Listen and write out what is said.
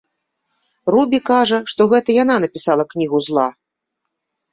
Рубі кажа, што гэта яна напісала кнігу зла.